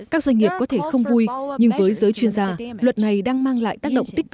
các doanh nghiệp có thể không vui nhưng với giới chuyên gia luật này đang mang lại nguy hiểm